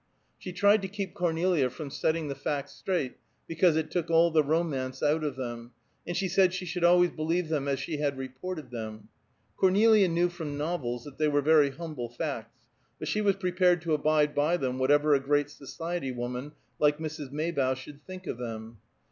She tried to keep Cornelia from setting the facts straight, because it took all the romance out of them, and she said she should always believe them as she had reported them. Cornelia knew from novels that they were very humble facts, but she was prepared to abide by them whatever a great society woman like Mrs. Maybough should think of them.